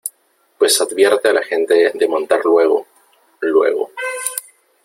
pues advierte a la gente de montar luego , luego .